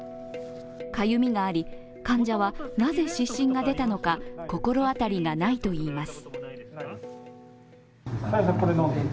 かゆみがあり、患者はなぜ湿疹が出たのか心当たりがないといいます。